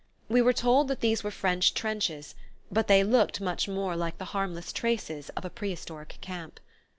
We were told that these were French trenches, but they looked much more like the harmless traces of a prehistoric camp.